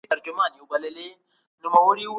د بهرنیو چارو وزارت نظامي اډه نه جوړوي.